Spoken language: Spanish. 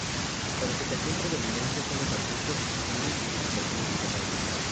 La vegetación predominante son los arbustos, espinos y vegetación mediterránea.